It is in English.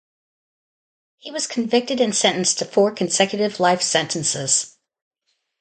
He was convicted and sentenced to four consecutive life sentences.